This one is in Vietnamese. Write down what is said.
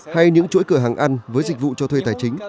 hay những chuỗi cửa hàng ăn với dịch vụ cho thuê tài chính